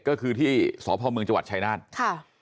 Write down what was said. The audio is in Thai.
ก็คือที่สพมจชายนาฏ